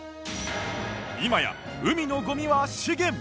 今や海のゴミは資源！